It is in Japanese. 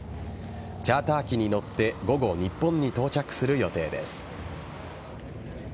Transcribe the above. チャーター機に乗って午後、日本に到着する予定です。